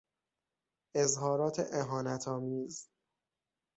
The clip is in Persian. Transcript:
اظهارات اهانتآمیز